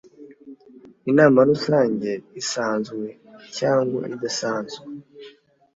Inama Rusange isanzwe cyangwa idasanzwe